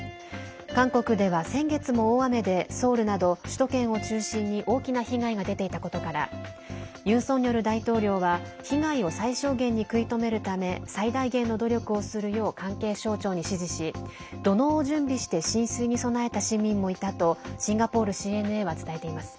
韓国では先月も大雨でソウルなど首都圏を中心に大きな被害が出ていたことからユン・ソンニョル大統領は被害を最小限に食い止めるため最大限の努力をするよう関係省庁に指示し土のうを準備して浸水に備えた市民もいたとシンガポールＣＮＡは伝えています。